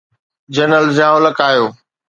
General Zia ul Haq آيو.